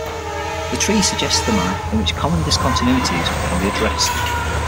The trees suggest the manner in which common discontinuities can be addressed.